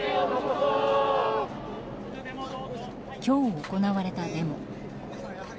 今日、行われたデモ。